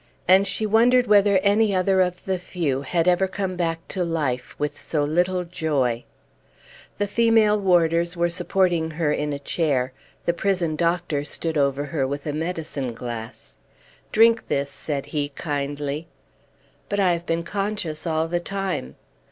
And she wondered whether any other of the few had ever come back to life with so little joy. The female warders were supporting her in a chair; the prison doctor stood over her with a medicine glass. "Drink this," said he, kindly. "But I have been conscious all the time."